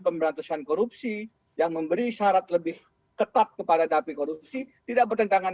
pemberantasan korupsi yang memberi syarat lebih ketat kepada dapi korupsi tidak bertentangan